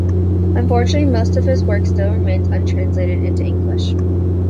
Unfortunately most of his work still remains untranslated into English.